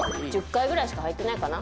１０回ぐらいしか履いてないかな。